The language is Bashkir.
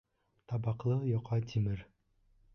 Табаҡлы йоҡа тимер.